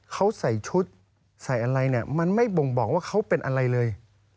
เขาใส่ชุดใส่อะไรเนี่ยมันไม่บ่งบอกว่าเขาเป็นอะไรเลย